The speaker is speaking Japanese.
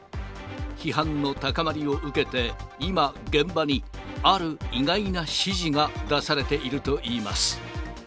批判の高まりを受けて、今、現場にある意外な指示が出されているといいます。